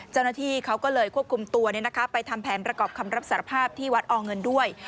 เจ้าหน้าที่เขาก็เลยควบคุมตัวไปทำแผนประกอบคำรับสารภาพที่วัดอเงินด้วย